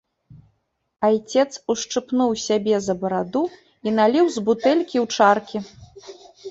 Айцец ушчыпнуў сябе за бараду і наліў з бутэлькі ў чаркі.